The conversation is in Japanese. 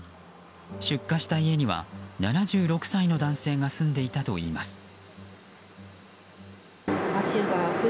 出火した家には、７６歳の男性が住んでいたといいます。